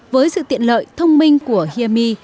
với sự tiện lợi thông minh của hear me